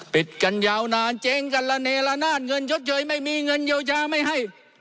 ปิดกันยาวนานเจ๊งกันละเนละนาดเงินยดเยยไม่มีเงินเยียวยาไม่ให้